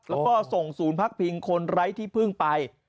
แล้วก็ส่งศูนย์พักพิงคนไร้ที่พึ่งไป